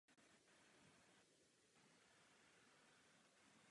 Některá jeho oratoria vyžadují několik na sobě nezávislých sborů.